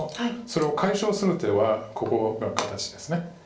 それを解消する手はここが形です。